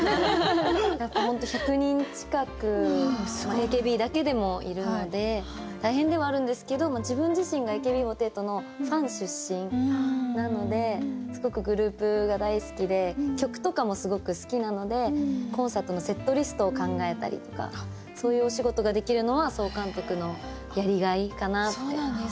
やっぱ本当１００人近くＡＫＢだけでもいるので大変ではあるんですけどすごくグループが大好きで曲とかもすごく好きなのでコンサートのセットリストを考えたりとかそういうお仕事ができるのは総監督のやりがいかなって思います。